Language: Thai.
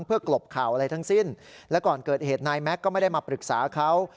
เพื่อกลบข่าวอะไรทั้งสิ้นและก่อนเกิดเหตุนายแม็กซ์ก็ไม่ได้มาปรึกษาเขา